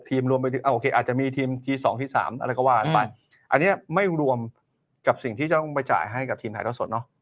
๖ทีมอาจจะมีทีมที่๒ที่๓อะไรก็ว่าอันนี้ไม่รวมกับสิ่งที่จะต้องไปจ่ายให้กับทีมไทยท่าสด